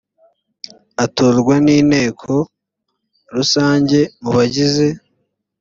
atorwa n inteko rusange mu bagize